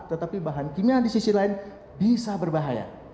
tetapi bahan kimia di sisi lain bisa berbahaya